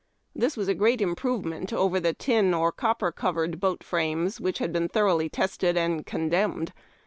This was a great improve ment over the tin or copper covered boat frames, which had been thoroughlv tested and condemned.